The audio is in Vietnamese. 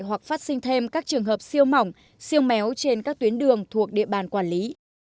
hoặc phát sinh thêm các trường hợp siêu mỏng siêu méo trên các tuyến đường thuộc địa bàn quản lý